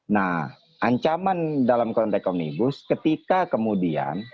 nah ancaman dalam konteks omnibus ketika kemudian